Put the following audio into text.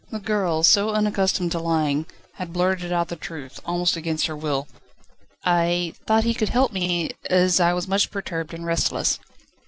The girl, so unaccustomed to lying, had blurted out the truth, almost against her will. "I thought he could help me, as I was much perturbed and restless."